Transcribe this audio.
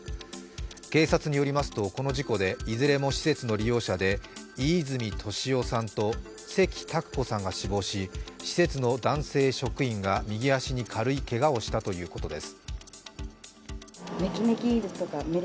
警察によりますと、この事故でいずれも施設の利用者で飯泉利夫さんと、関拓子さんが死亡し、施設の男性職員が右足に軽いけがをしたということです。